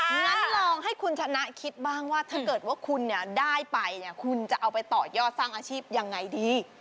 งั้นลองให้คุณชนะคิดบ้างว่าถ้าเกิดว่าคุณเนี่ยได้ไปเนี่ยคุณจะเอาไปต่อยอดสร้างอาชีพยังไงดี